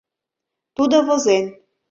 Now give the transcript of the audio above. Тудо возен: